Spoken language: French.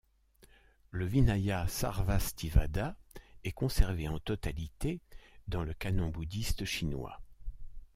Le vinaya Sarvāstivāda est conservé en totalité dans le Canon bouddhiste chinois.